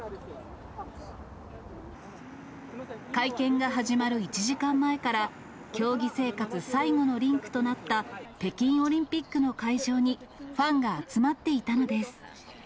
会見が始まる１時間前から、競技生活最後のリンクとなった北京オリンピックの会場にファンが集まっていたのです。